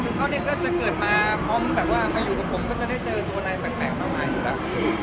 คือเขาเนี่ยก็จะเกิดมาพร้อมแบบว่ามาอยู่กับผมก็จะได้เจอตัวอะไรแปลกมากมายอยู่แล้ว